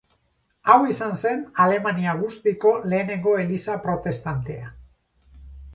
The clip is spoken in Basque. Hau izan zen Alemania guztiko lehenengo eliza protestantea.